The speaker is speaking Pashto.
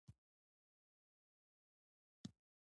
نو بایزید درې سوه تنه په غشو او شلګیو سنبال کړل